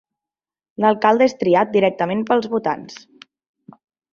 L'alcalde és triat directament pels votants.